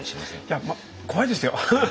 いやまあ怖いですよ！